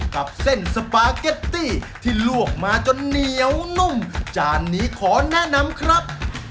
กับเส้นสปาเก็ตตี้ที่ลวกมาจนเหนียวนุ่มจานนี้ขอแนะนำครับ